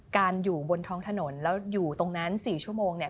อยู่บนท้องถนนแล้วอยู่ตรงนั้น๔ชั่วโมงเนี่ย